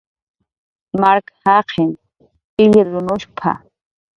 "Mark jaqin ilrunushp""a"